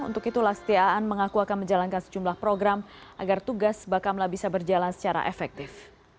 untuk itu lakstiaan ⁇ mengaku akan menjalankan sejumlah program agar tugas bakamla bisa berjalan secara efektif